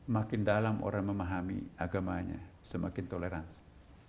makin dalam orang memahami agamanya semakin toleransi